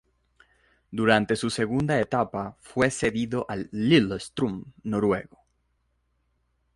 Durante su segunda etapa fue cedido al Lillestrøm noruego.